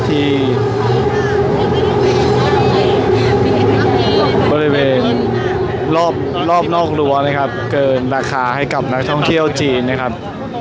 ที่บริเวณรอบรอบนอกรั้วนะครับเกินราคาให้กับนักท่องเที่ยวจีนนะครับ